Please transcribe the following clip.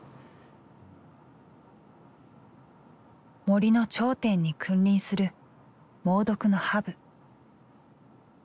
森の頂点に君臨する猛毒のハブ。